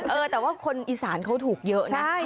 เออแต่ว่าคนอีสานเขาถูกเยอะนะ